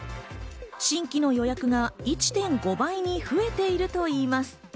新規の予約が１．５倍に増えているといいます。